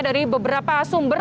dari beberapa sumber